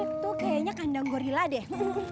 itu kayaknya kandang gorilla deh